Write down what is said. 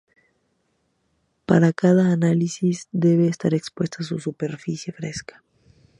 Para cada análisis debe estar expuesta superficie fresca.